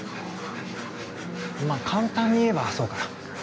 まぁ簡単に言えばそうかな。